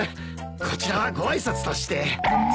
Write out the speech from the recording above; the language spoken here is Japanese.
こちらはご挨拶として。